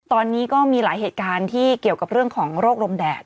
ตอนนี้ก็มีหลายเหตุการณ์ที่เกี่ยวกับเรื่องของโรคลมแดด